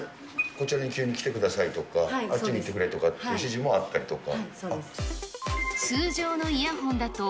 こちらに急に来てくださいとか、あっちに行ってくれっていう指示もあったりとか？